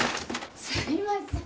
すいません。